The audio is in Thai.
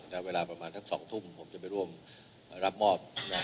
แล้วเวลาประมาณสัก๒ทุ่มผมจะไปร่วมรับมอบ